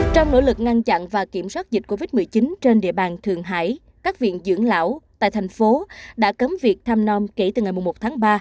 trong nỗ lực ngăn chặn và kiểm soát dịch covid một mươi chín trên địa bàn thượng hải các viện dưỡng lão tại thành phố đã cấm việc thăm non kể từ ngày một tháng ba